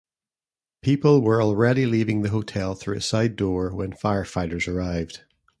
People were already leaving the hotel through a side door when firefighters arrived.